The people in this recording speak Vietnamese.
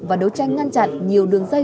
và đấu tranh ngăn chặn nhiều đường dây